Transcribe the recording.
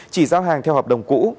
chỉ giao hàng theo hợp đồng cũ